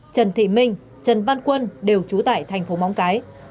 trần thị minh trần văn quân đều trú tại thành phố móng cái